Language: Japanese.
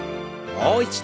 もう一度。